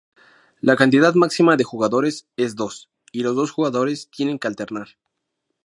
La cantidad máxima de jugadores es dos, y los dos jugadores tienen que alternar.